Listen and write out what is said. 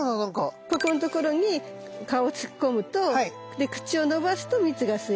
ここんところに顔突っ込むとで口を伸ばすと蜜が吸える。